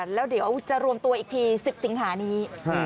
แล้วเดี๋ยวจะรวมตัวอีกที๑๐สิงหานี้